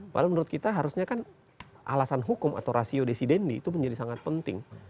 padahal menurut kita harusnya kan alasan hukum atau rasio desidendi itu menjadi sangat penting